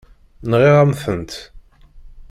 Nɣiɣ-am-tent.